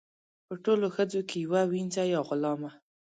په ټولو ښځو کې یوه وینځه یا غلامه.